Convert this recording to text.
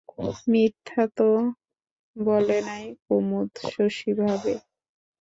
মিথ্যা তো বলে নাই কুমুদ, শশী ভাবে।